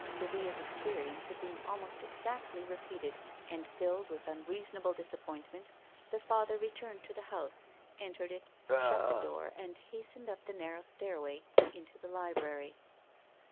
Guildea's experience had been almost exactly re peated and, filled with unreasonable disappoint ment, the Father returned to the house, entered it, shut the door and hastened up the narrow stair way into the library.